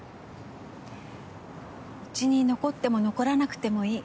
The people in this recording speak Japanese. うちに残っても残らなくてもいい。